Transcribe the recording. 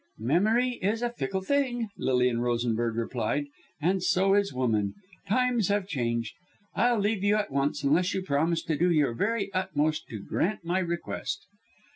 "Memory is a fickle thing," Lilian Rosenberg replied, "and so is woman. Times have changed. I'll leave you at once, unless you promise to do your very utmost to grant my request."